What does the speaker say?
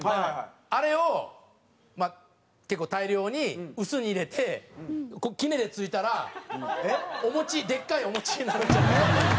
あれを結構大量に臼に入れて杵でついたらお餅でっかいお餅になるんじゃないかという。